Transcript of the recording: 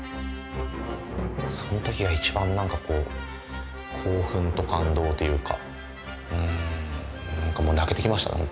そのときが一番何かこう興奮と感動というかうん何かもう泣けてきましたね